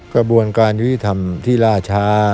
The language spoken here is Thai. กระบวนการยุติธรรมที่ล่าช้า